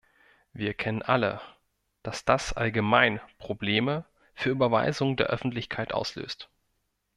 Wir erkennen alle, dass das allgemein Probleme für Überweisungen der Öffentlichkeit auslöst.